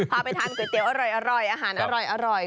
พาไปทานก๋วยเตี๋ยวอร่อยอาหารอร่อย